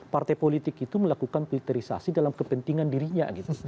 partai politik itu melakukan filterisasi dalam kepentingan dirinya